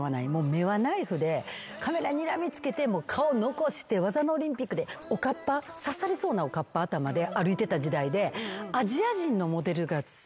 目はナイフでカメラにらみ付けて顔残して技のオリンピックでささりそうなおかっぱ頭で歩いてた時代で。